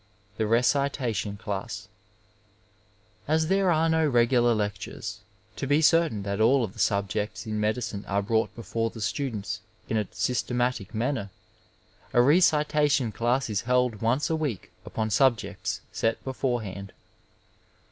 The SecUation Ckus, — ^As there are no regular lectures, to be certain that all of the subjects in medicine are brought before the students in a systematic manner, a recitation class is held once a week upon subjects set beforehand.